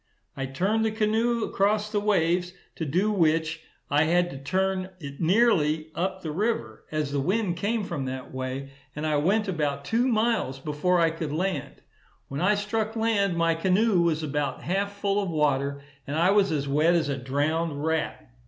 I turned the canoe across the waves, to do which, I had to turn it nearly up the river, as the wind came from that way; and I went about two miles before I could land. When I struck land, my canoe was about half full of water, and I was as wet as a drowned rat.